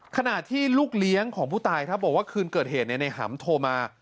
ขณะที่ลูกเลี้ยงของผู้ตายครับบอกว่าคืนเกิดเหตุในหำโทรมา